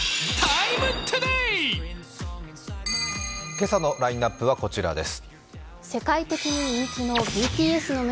今朝のラインナップはこちらです。